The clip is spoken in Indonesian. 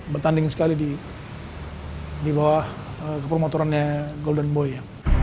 bertanding sekali di bawah kepromotorannya the golden boy